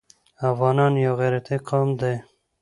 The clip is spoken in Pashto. افغانان يو غيرتي قوم دی.